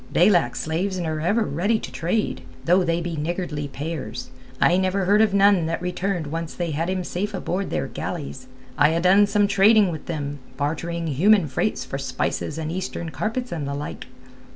They lack slaves and are ever ready to trade, though they be niggardly payers. I never heard of none that returned once they had him safe aboard their galleys. I ha' done some trading with them, bartering human freights for spices and eastern carpets and the like."